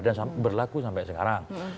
dan berlaku sampai sekarang